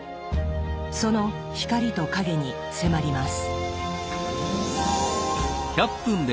その光と影に迫ります。